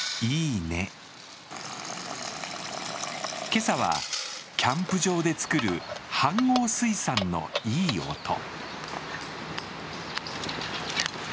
今朝はキャンプ場で作るはんごう炊さんのいい音。